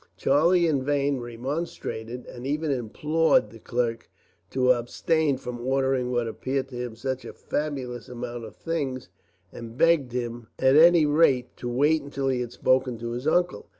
Charlie in vain remonstrated, and even implored the clerk to abstain from ordering what appeared to him such a fabulous amount of things; and begged him, at any rate, to wait until he had spoken to his uncle.